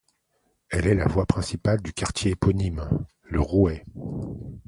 Elle est la voie principale du quartier éponyme, Le Rouet.